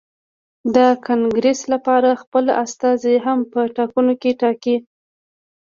د کانګرېس لپاره خپل استازي هم په ټاکنو کې ټاکي.